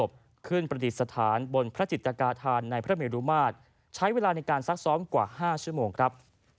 เวียนซ้าย๓รอบ